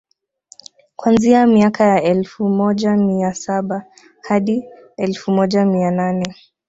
kuanzia miaka ya elfu moja mia saba hadi elfu moja mia nane